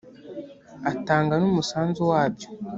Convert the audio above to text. atanga n umusanzu wabyo